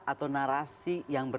atau narasi yang